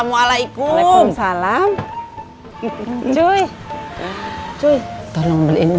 masakannya juga belum selesai